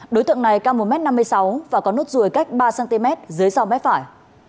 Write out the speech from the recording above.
đối tượng này cao một m năm mươi sáu và có nốt ruồi cách ba cm dưới sau mép phải